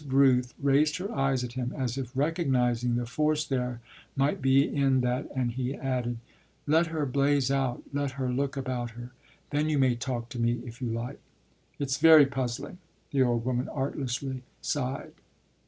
Rooth raised her eyes at him as if recognising the force there might be in that, and he added: "Let her blaze out, let her look about her. Then you may talk to me if you like." "It's very puzzling!" the old woman artlessly sighed.